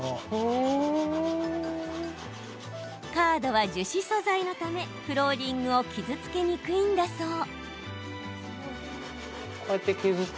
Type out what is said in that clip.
カードは樹脂素材のためフローリングを傷つけにくいんだそう。